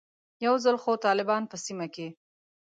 یو ځل خو طالبان په سیمه کې.